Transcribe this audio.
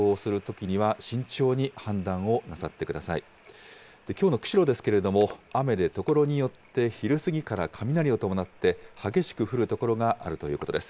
きょうの釧路ですけれども、雨で所によって昼過ぎから雷を伴って激しく降る所があるということです。